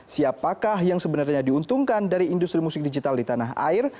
siapakah yang sebenarnya diuntungkan dari industri musik digital di tanah air